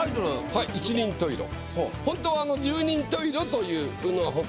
はい『一人十色』。